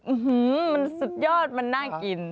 อื้อฮือมันสุดยอดมันน่ากิน